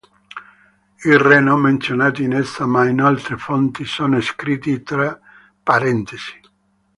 I re non menzionati in essa ma in altre fonti sono scritti tra parentesi.